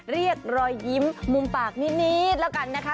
เรียกรอยยิ้มมุมปากนิดแล้วกันนะคะ